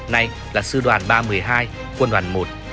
nay là sư đoàn ba trăm một mươi hai quân đoàn một